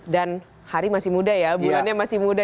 dan hari masih muda ya bulannya masih muda